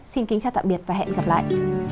xin kính chào tạm biệt và hẹn gặp lại